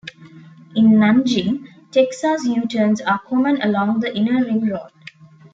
In Nanjing, Texas U-turns are common along the Inner Ring Road.